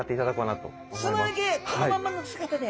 このままの姿で？